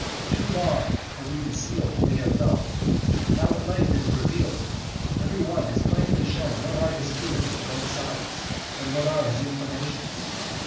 Too long have we concealed what we have felt: now at length it is revealed: every one has plainly shown what are his feelings to both sides, and what are his inclinations.